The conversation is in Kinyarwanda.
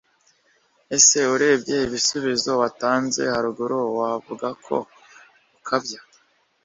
ese urebye ibisubizo watanze haruguru wavuga ko ukabya